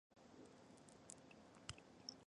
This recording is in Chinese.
母亲是林贤妃。